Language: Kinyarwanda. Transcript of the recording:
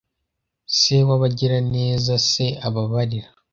se w'abagiraneza se ababarira